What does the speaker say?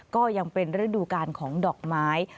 ก็ยังเป็นฤดูกาลของดอกไม้